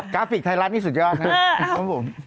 กราฟิกไทยรัฐนี้สุดยอดนะ